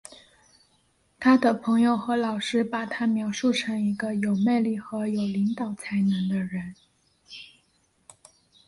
他的朋友和老师把他描述成一个有魅力的和领导才能的人。